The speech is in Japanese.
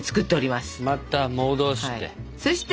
また戻して。